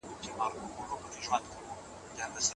مکتوبونه باید په ښکلي خط ولیکل شي.